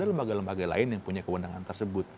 ada lembaga lembaga lain yang punya kewenangan tersebut